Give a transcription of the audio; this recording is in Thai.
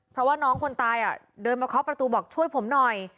เพราะว่าน้องคนตายเดินมาเคาะประตูบอกช่วยผมหน่อย